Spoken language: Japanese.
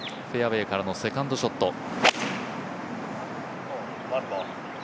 フェアウエーからのセカンドショット。